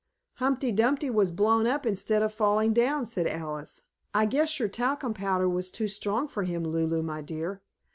"Humpty Dumpty was blown up instead of falling down," said Alice. "I guess your talcum powder was too strong for him, Lulu, my dear.